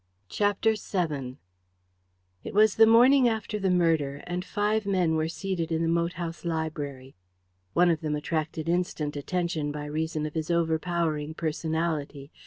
CHAPTER VII It was the morning after the murder, and five men were seated in the moat house library. One of them attracted instant attention by reason of his overpowering personality.